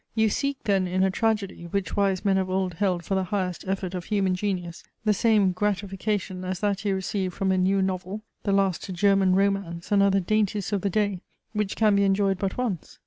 You seek then, in a tragedy, which wise men of old held for the highest effort of human genius, the same gratification, as that you receive from a new novel, the last German romance, and other dainties of the day, which can be enjoyed but once.